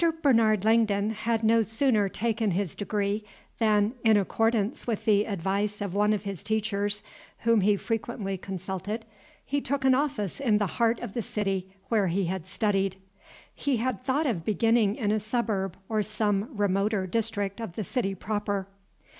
Bernard Langdon had no sooner taken his degree, than, in accordance with the advice of one of his teachers whom he frequently consulted, he took an office in the heart of the city where he had studied. He had thought of beginning in a suburb or some remoter district of the city proper.